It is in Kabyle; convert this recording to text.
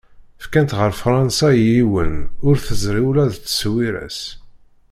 Fkan-tt ɣer Fransa i yiwen, ur teẓri ula d tteṣwira-s.